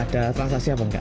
ada transaksi apa enggak